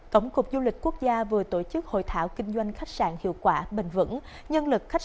cổng cục du lịch quốc gia vừa tổ chức hội thảo kinh doanh khách sạn hiệu quả bình vẩn nhân lực khách